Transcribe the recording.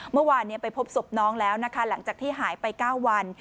เมื่อวานไปพบศพน้องแล้วนะคะหลังจากที่หายไป๙วัน